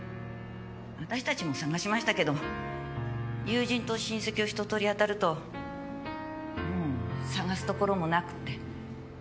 あたしたちも捜しましたけど友人と親戚を一通り当たるともう捜すところもなくって。